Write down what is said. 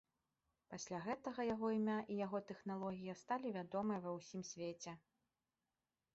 Пасля гэтага яго імя і яго тэхналогія сталі вядомыя ва ўсім свеце.